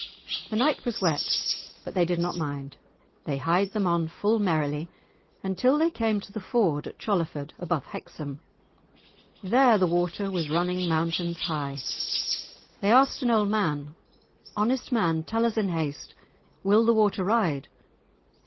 The night was wet, but they did not mind. They hied them on full merrily until they came to the ford at Cholerford, above Hexham. There the water was running mountains high. They asked an old man, "Honest man, tell us in haste, will the water ride?"